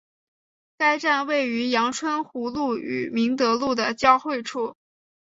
该站位于杨春湖路与明德路的交汇处。